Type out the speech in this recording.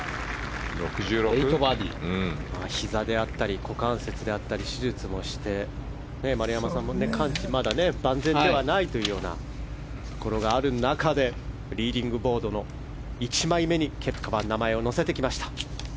ひざであったり股関節の手術をして、丸山さんからも万全ではないというところがある中でリーディングボードの１枚目にケプカが名前を載せてきました。